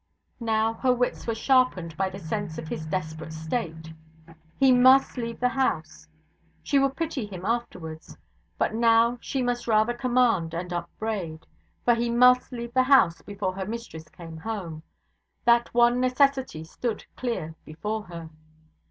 Now, her wits were sharpened by the sense of his desperate state. He must leave the house. She would pity him afterwards; but now she must rather command and upbraid; for he must leave the house before her mistress came home. That one necessity stood clear before her.